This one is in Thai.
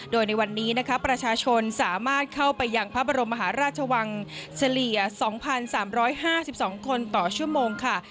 โดยในวันนี้นะคะประชาชนสามารถเข้าไปยังพระบรมมหาราชวังเฉลี่ย๒๓๕๒คนต่อชั่วโมงค่ะ